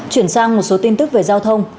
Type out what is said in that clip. chuyển sang một số tin tức về giao thông